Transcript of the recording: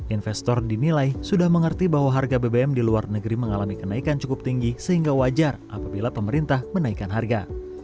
investor dinilai sudah mengerti bahwa harga bbm di luar negeri mengalami kenaikan cukup tinggi sehingga wajar apabila pemerintah menaikkan harga